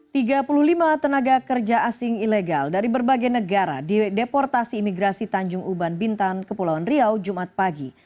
tiga puluh lima tenaga kerja asing ilegal dari berbagai negara di deportasi imigrasi tanjung uban bintan kepulauan riau jumat pagi